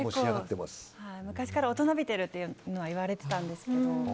昔から大人びてるとは言われてたんですけど。